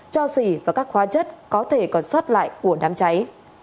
cho xỉ và các khóa chất có thể còn soát lại của đám cháy